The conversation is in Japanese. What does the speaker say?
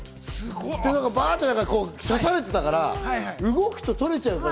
刺されてたから動くと取れちゃうから。